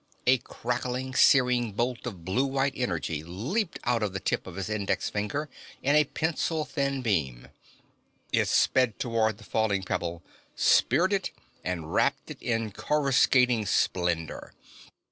A crackling, searing bolt of blue white energy leaped out of the tip of his index finger in a pencil thin beam. It sped toward the falling pebble, speared it and wrapped it in coruscating splendor.